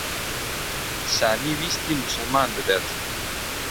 سامی ویستی موسڵمان ببێت.